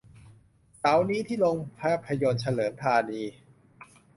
เสาร์นี้ที่โรงภาพยนตร์เฉลิมธานี